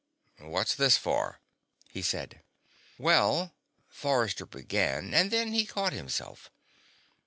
"What's this for?" he said. "Well " Forrester began, and then caught himself.